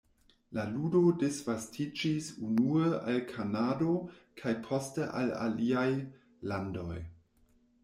La ludo disvastiĝis unue al Kanado kaj poste al aliaj landoj.